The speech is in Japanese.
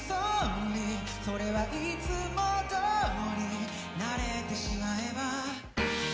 「それはいつも通り慣れてしまえば」